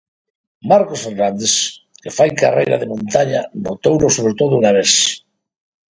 Marcos Fernández que fai carreira de montaña notouno sobre todo unha vez.